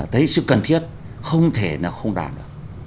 thấy sự cần thiết không thể nào không đạt được